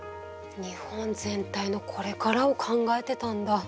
日本全体のこれからを考えてたんだ。